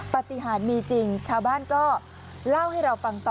ปฏิหารมีจริงชาวบ้านก็เล่าให้เราฟังต่อ